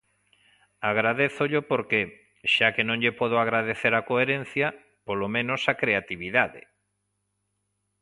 Agradézollo porque, xa que non lle podo agradecer a coherencia, polo menos a creatividade.